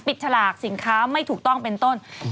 ฉลากสินค้าไม่ถูกต้องเป็นต้น